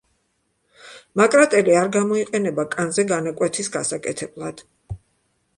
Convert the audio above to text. მაკრატელი არ გამოიყენება კანზე განაკვეთის გასაკეთებლად!